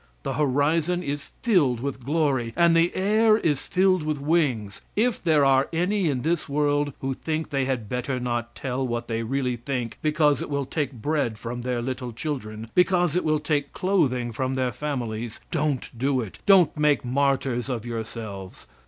The horizon is filled with glory and the air is filled with wings. If there are any in this world who think they had better not tell what they really think because it will take bread from their little children, because it will take clothing from their families don't do it! don't make martyrs of yourselves!